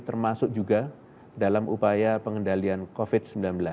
termasuk juga dalam upaya pengendalian covid sembilan belas